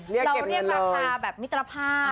เราเรียกราคาแบบมิตรภาพ